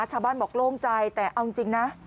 ชาวบ้านบอกโล่งใจแต่เอาจริงนะ